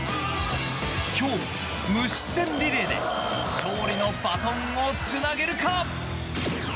今日も無失点リレーで勝利のバトンをつなげるか？